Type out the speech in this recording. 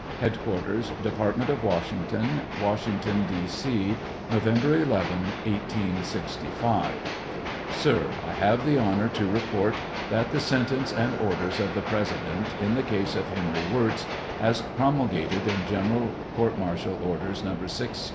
Headquarters Department of WASHrNGTON, Washington, D. C, November 11, 1865. Sir : I have the honor to report that the sentence and orders of the President in the case of Henry Wirz, as promulgated in General Court martial Orders No.